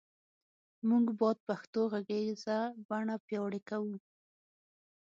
مونږ باد پښتو غږیزه بڼه پیاوړی کړو